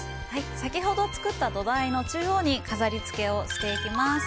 先ほど作った土台の中央に飾りつけをしていきます。